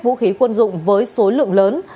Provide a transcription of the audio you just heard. vũ khí quân dụng với số lượng lớn